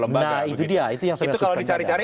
lembaga itu kalau dicari cari